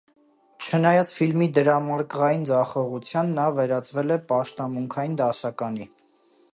Չնայած ֆիլմի դրամարկղային ձախողության, նա վերածվել է պաշտամունքային դասականի։